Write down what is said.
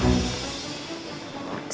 udah mama nggak usah pikirin